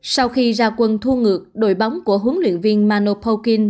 sau khi ra quân thua ngược đội bóng của huấn luyện viên mano polkin